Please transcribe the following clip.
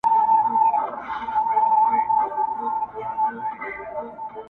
خدایه چي د مرگ فتواوي ودروي نور,